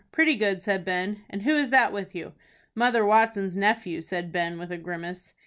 "Pretty good," said Ben. "And who is that with you?" "Mother Watson's nephew," said Ben, with a grimace.